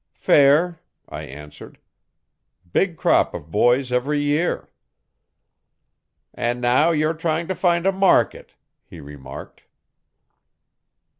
'Fair, I answered. 'Big crop of boys every year.' 'And now you're trying to find a market, he remarked.'